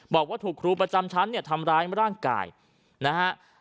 บอกว่าถูกครูประจำชั้นเนี่ยทำร้ายร่างกายนะฮะ